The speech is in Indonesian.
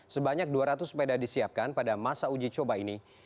sebanyak dua ratus sepeda disiapkan pada masa uji coba ini